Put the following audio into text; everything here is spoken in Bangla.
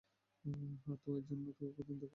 হ্যাঁ, তো এর জন্য আমাদের প্রতিদিন দেখা করতে হবে।